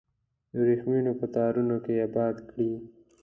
د وریښمو په تارونو کې اباد کړي